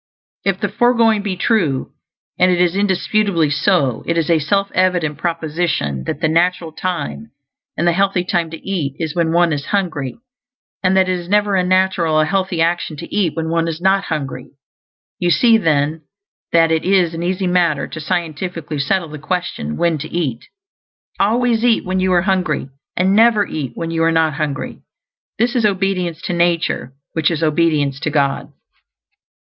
If the foregoing be true and it is indisputably so it is a self evident proposition that the natural time, and the healthy time, to eat is when one is hungry; and that it is never a natural or a healthy action to eat when one is not hungry. You see, then, that it is an easy matter to scientifically settle the question when to eat. ALWAYS eat when you are hungry; and NEVER eat when you are not hungry. This is obedience to nature, which is obedience to God.